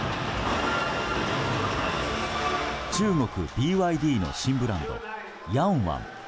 中国ＢＹＤの新ブランド仰望。